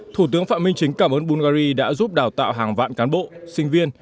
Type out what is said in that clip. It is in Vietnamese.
thủ tướng phạm minh chính cảm ơn bungary đã giúp đào tạo hàng vạn cán bộ sinh viên